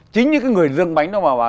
chính những cái người dân bánh đó mà